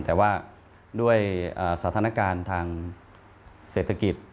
แต่ว่าด้วยสถานการณ์ทางเศรษฐกิจ